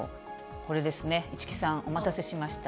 これですね、市來さん、お待たせしました。